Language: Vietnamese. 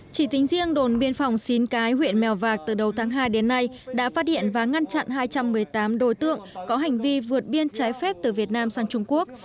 chỉ tính riêng đồn biên phòng xín cái huyện mèo vạc từ đầu tháng hai đến nay đã phát hiện và ngăn chặn hai trăm một mươi tám đối tượng có hành vi vượt biên trái phép từ việt nam sang trung quốc